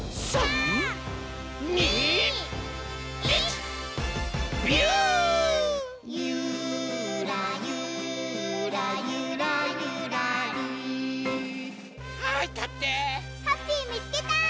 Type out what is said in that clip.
ハッピーみつけた！